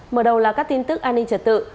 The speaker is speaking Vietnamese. mở đầu là các tin tức an ninh trật tự